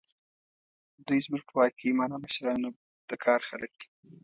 دوی زموږ په واقعي مانا مشران او د کار خلک دي.